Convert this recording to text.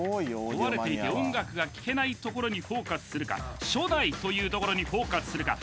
壊れていて音楽が聴けないところにフォーカスするか初代というところにフォーカスするか